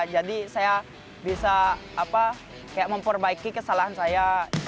jadi saya bisa memperbaiki kesalahan saya